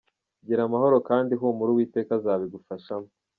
Gira amahoro kandi humura Uwiteka azabigufashamo.